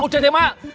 udah deh mak